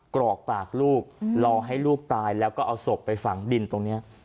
กรอกปากลูกรอให้ลูกตายแล้วก็เอาศพไปฝังดินตรงนี้